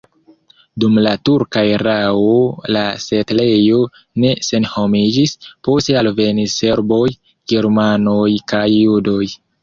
Dum la turka erao la setlejo ne senhomiĝis, poste alvenis serboj, germanoj kaj judoj.